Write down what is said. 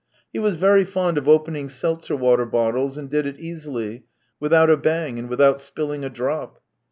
He was very fond of opening seltzer water bottles and did it easily, without a bang and without spilling a drop.